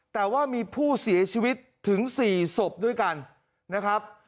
แต่ว่ามีผู้เสียชีวิตถึง๔ศพด้วยกันนะครับ